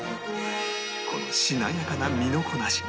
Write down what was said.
このしなやかな身のこなし